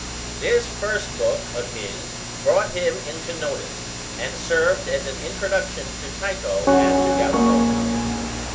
This first book of his brought him into notice, and served as an introduction to Tycho and to Galileo.